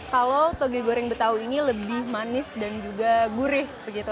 kalau toge goreng betawi ini lebih manis dan juga gurih